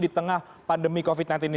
di tengah pandemi covid sembilan belas ini